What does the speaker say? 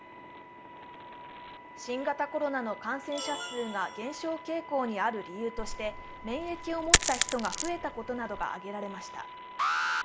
新型コロナの感染者数が減少傾向にある理由として免疫を持った人が増えたことなどが挙げられました。